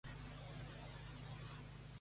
Night" de Kenny Loggins.